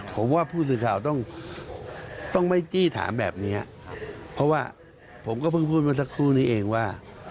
ผมว่าผู้สื่อข่าวต้องไม่จี้ถามแบบนี้ครับเพราะว่าผมก็เพิ่งพูดมาสักครู่นี้เองว่า